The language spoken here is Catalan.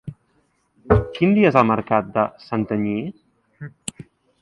Quin dia és el mercat de Santanyí?